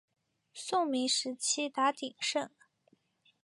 宋明时期达鼎盛。